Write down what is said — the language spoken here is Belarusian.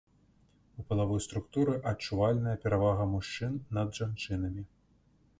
У палавой структуры адчувальная перавага мужчын над жанчынамі.